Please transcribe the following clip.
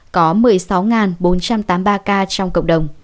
có một mươi sáu bốn trăm tám mươi ba ca trong quốc tế